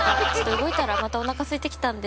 動いたら、おなか、すいてきたんで。